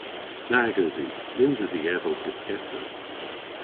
Nag usi. Nyns usi ev ow pyskessa.